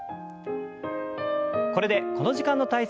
これでこの時間の体操終わります。